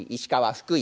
福井。